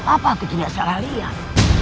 apa aku tidak salah lihat